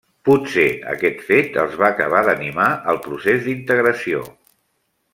Potser aquest fet els va acabar d'animar al procés d'integració.